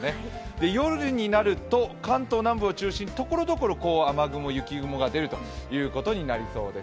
夜になると関東南部を中心に、ところどころ雨雲、雪雲が出ることになりそうです。